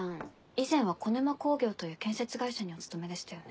以前は小沼工業という建設会社にお勤めでしたよね？